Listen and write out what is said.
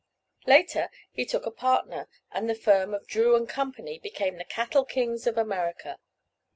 Later, he took a partner and the firm of Drew & Co. became the cattle kings of America.